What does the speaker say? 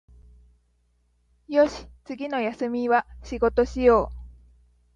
よし、次の休みは仕事しよう